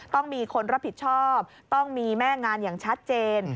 ต้องมีคนรับผิดชอบต้องมีแม่งานอย่างชัดเจน